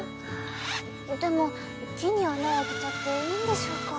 でも木に穴を開けちゃっていいんでしょうか？